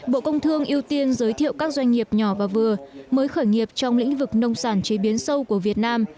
bộ công thương ưu tiên giới thiệu các doanh nghiệp nhỏ và vừa mới khởi nghiệp trong lĩnh vực nông sản chế biến sâu của việt nam